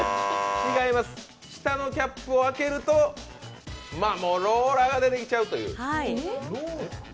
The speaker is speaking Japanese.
下のキャップを開けるとローラーが出てきちゃう。